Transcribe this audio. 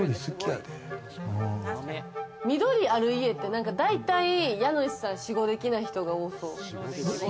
緑ある家って大体家主さん、しごできな人が多そう。